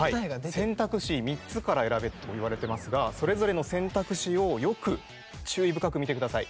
選択肢３つから選べと言われてますがそれぞれの選択肢をよく注意深く見てください。